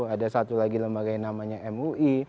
ada satu lagi lembaga yang namanya mui